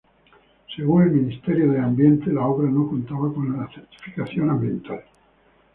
Según el Ministerio del Ambiente la obra no contaba con la certificación ambiental.